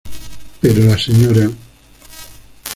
Pero la Sra.